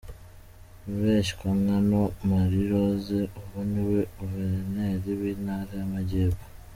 Mureshyankwano Marie Rose ubu niwe Guverineri w’Intara y’Amajyepfo .